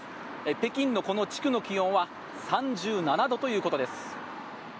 北京のこの地区の気温は３７度ということです。